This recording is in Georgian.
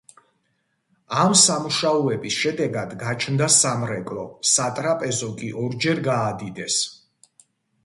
ამ სამუშაოების შედეგად გაჩნდა სამრეკლო, სატრაპეზო კი ორჯერ გაადიდეს.